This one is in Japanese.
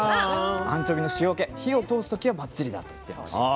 アンチョビの塩気火を通すとばっちりだと言っていました。